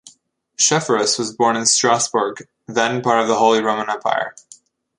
Schefferus was born in Strasbourg, then part of the Holy Roman Empire.